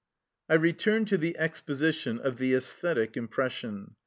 I return to the exposition of the æsthetic impression.